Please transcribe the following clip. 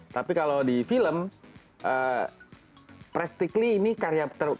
tapi kalau di film practically ini karya yang berbeda